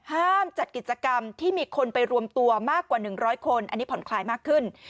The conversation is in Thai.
จัดกิจกรรมที่มีคนไปรวมตัวมากกว่า๑๐๐คนอันนี้ผ่อนคลายมากขึ้น